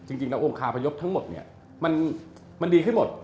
จริงแล้วองคาพยพทั้งหมดเนี่ยมันดีขึ้นหมด